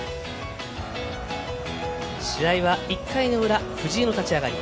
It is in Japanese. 試合は、１回の裏藤井の立ち上がり。